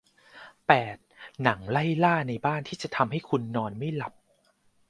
แปด หนังไล่ล่าในบ้านที่จะทำให้คุณนอนไม่หลับ